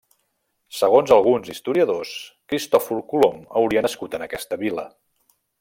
Segons alguns historiadors Cristòfor Colom hauria nascut en aquesta vila.